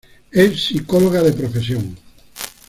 Es psicóloga de profesión.